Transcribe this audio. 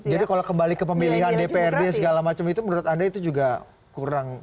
jadi kalau kembali ke pemilihan dprd segala macam itu menurut anda itu juga kurang